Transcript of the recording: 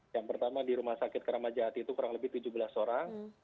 yang pertama di rumah sakit keramajati itu kurang lebih tujuh belas orang